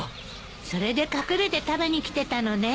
それで隠れて食べに来てたのね。